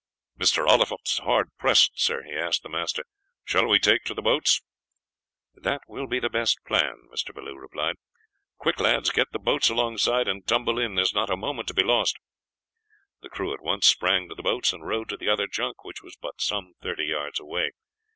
"Mr. Oliphant is hard pressed, sir." He asked the master: "Shall we take to the boats?" "That will be the best plan," Mr. Bellew replied. "Quick, lads, get the boats alongside and tumble in; there is not a moment to be lost." The crew at once sprang to the boats and rowed to the other junk, which was but some thirty yards away.